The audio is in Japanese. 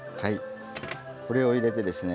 これを入れてですね。